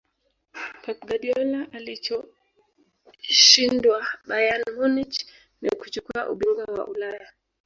pep guardiola alichoshindwa bayern munich ni kuchukua ubingwa wa ulaya